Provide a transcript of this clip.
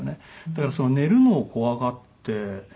だから寝るのを怖がって。